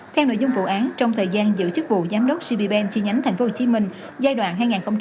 theo nội dung vụ án trong thời gian giữ chức vụ giám đốc gbben chi nhánh tp hcm giai đoạn hai nghìn chín hai nghìn một mươi